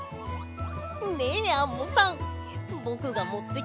ねえアンモさんぼくがもってきたはこもある？